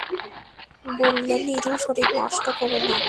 বললে, নীরু, শরীর নষ্ট কোরো না।